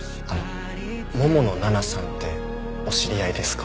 桃野奈々さんってお知り合いですか？